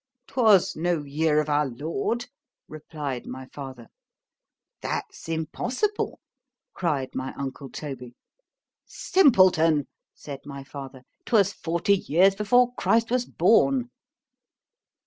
—'Twas no year of our Lord, replied my father.—That's impossible, cried my uncle Toby.—Simpleton! said my father,—'twas forty years before Christ was born.